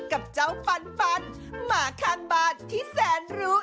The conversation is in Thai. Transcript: กับเจ้าฟันฟันหมาข้างบ้านที่แสนรู้